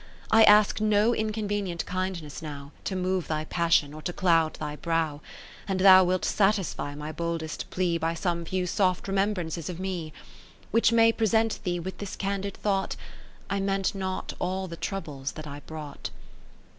I ask no inconvenient kindness now, To move thy passion, or to cloud thy brow ; And thou wilt satisfy my boldest plea By some few soft remembrances of me, ?o Which may present thee with this candid thought, I meant not all the troubles that I brought.